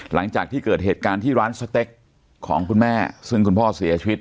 หลังจากที่เกิดเหตุการณ์ที่ร้านสเต็กของคุณแม่ซึ่งคุณพ่อเสียชีวิต